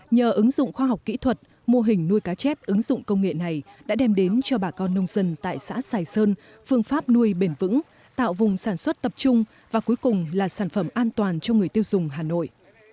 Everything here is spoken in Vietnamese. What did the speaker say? nhờ ứng dụng khoa học kỹ thuật mô hình nuôi cá chép ứng dụng công nghệ này đã đem đến cho bà con nông dân tại xã sài sơn phương pháp nuôi bền vững tạo vùng sản xuất tập trung và cuối cùng là sản phẩm an toàn cho người tiêu dùng hà nội